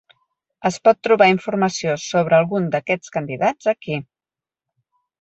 Es pot trobar informació sobre alguns d'aquests candidats aquí.